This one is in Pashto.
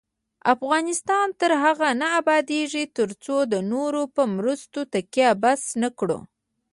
افغانستان تر هغو نه ابادیږي، ترڅو د نورو په مرستو تکیه بس نکړو.